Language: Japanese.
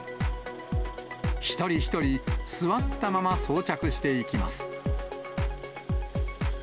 一人一人座ったまま装着していきます。